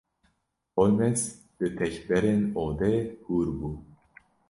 Holmes li tekberên odê hûr bû.